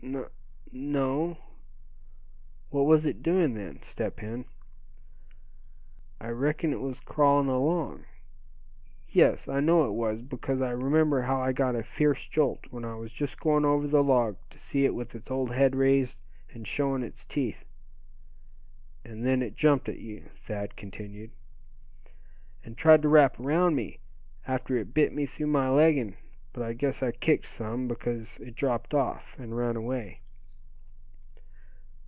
"N no." "What was it doing then, Step Hen?" "I reckon it was crawlin' along yes, I know it was, because I remember how I got a fierce jolt when I was just going over the log, to see it with its old head raised, and showing its teeth." "And then it jumped at you?" Thad continued. "And tried to wrap around me, after it bit me through my legging; but I guess I kicked some, because it dropped off, and ran away."